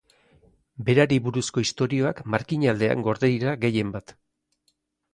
Berari buruzko istorioak Markina aldean gorde dira gehienbat.